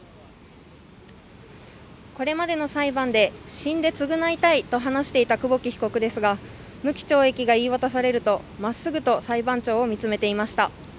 これまでの裁判で死んで償いたいと話していた久保木被告ですが、無期懲役が言い渡されると、まっすぐと裁判長を見つめていました。